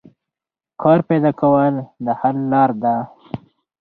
کار پیدا کول د حل لار ده.